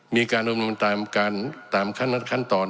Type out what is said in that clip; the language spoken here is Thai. มีการดูแลทางคำนคันตอน